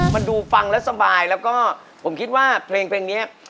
มันดูฟังแล้วสบายแล้วก็ผมคิดว่าเพลงนี้